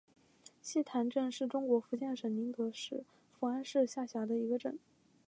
溪潭镇是中国福建省宁德市福安市下辖的一个镇。